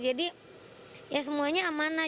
jadi ya semuanya amanah